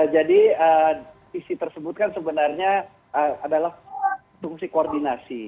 jadi visi tersebut kan sebenarnya adalah fungsi koordinasi